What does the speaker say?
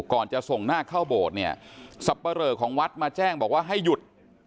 ก่อนจะส่งหน้าเข้าโบสถ์เนี่ยสับปะเรอของวัดมาแจ้งบอกว่าให้หยุด